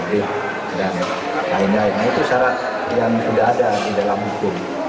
dan lain lain itu syarat yang sudah ada di dalam hukum